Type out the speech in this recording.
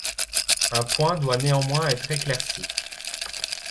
Un point doit néanmoins être éclairci.